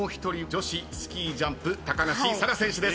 女子スキージャンプ高梨沙羅選手です。